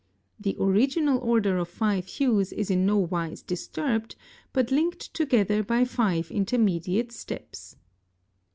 The original order of five hues is in no wise disturbed, but linked together by five intermediate steps.